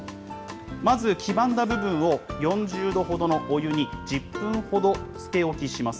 まず黄ばんだ部分を、４０度ほどのお湯に１０分ほどつけ置きします。